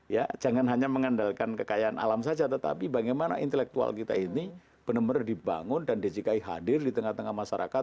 ya jangan hanya mengandalkan kekayaan alam saja tetapi bagaimana intelektual kita ini benar benar dibangun dan djki hadir di tengah tengah masyarakat